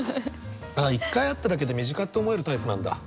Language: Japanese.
一回会っただけで身近って思えるタイプなんだ。